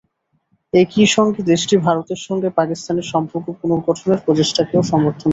একই সঙ্গে দেশটি ভারতের সঙ্গে পাকিস্তানের সম্পর্ক পুনর্গঠনের প্রচেষ্টাকেও সমর্থন করবে।